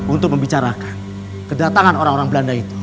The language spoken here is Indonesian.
untuk membicarakan kedatangan orang orang belanda itu